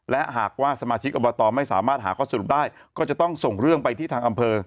และหากว่าสมาชิกอบตไม่สามารถหาข้อสรุปได้ก็จะต้องส่งเรื่องไปที่ทางอำเภอ